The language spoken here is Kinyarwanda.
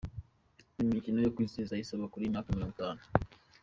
Imikino yo kwizihiza isabukuru y’imyaka mirongo itanu